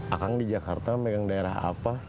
akang di jakarta megang daerah apa